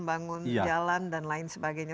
bangun jalan dan lain sebagainya